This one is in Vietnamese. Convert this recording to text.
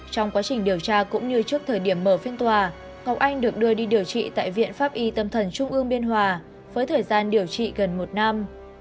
trong quá trình điều tra cũng như trước thời điểm mở phiên tòa ngọc anh được đưa đi điều trị tại viện pháp y tâm thần trung ương biên hòa với thời gian điều trị gần một năm